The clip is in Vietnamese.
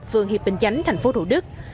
phương hiệp bình chánh thành phố thủ đức